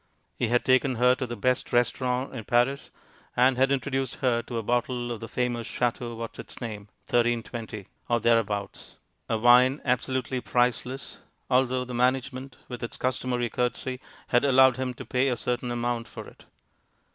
He had taken her to the best restaurant in Paris and had introduced her to a bottle of the famous Chateau Whatsitsname, 1320 (or thereabouts), a wine absolutely priceless although the management, with its customary courtesy, had allowed him to pay a certain amount for it.